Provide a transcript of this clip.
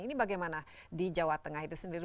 ini bagaimana di jawa tengah itu sendiri